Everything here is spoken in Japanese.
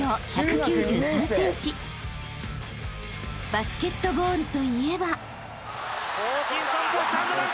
［バスケットボールといえば］